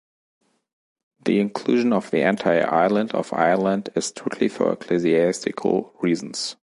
The inclusion of the entire island of Ireland is strictly for ecclesiastical reasons.